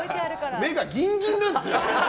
目がギンギンなんですよ。